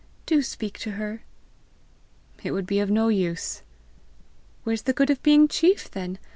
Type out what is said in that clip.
Do speak to her." "It would be of no use!" "Where's the good of being chief then?